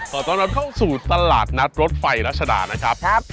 ต้อนรับเข้าสู่ตลาดนัดรถไฟรัชดานะครับ